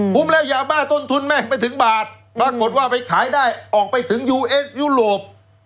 แล้วยาบ้าต้นทุนแม่ไปถึงบาทปรากฏว่าไปขายได้ออกไปถึงยูเอสยุโรป